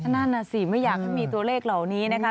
นั่นน่ะสิไม่อยากให้มีตัวเลขเหล่านี้นะคะ